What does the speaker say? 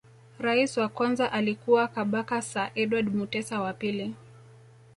Rais wa kwanza alikuwa Kabaka Sir Edward Mutesa wa pili